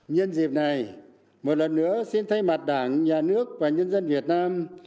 nhân dịp này một lần nữa xin thay mặt đảng nhà nước và nhân dân việt nam